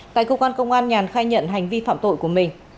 tại công an công an nhàn khai nhận hành vi phạm tội của mình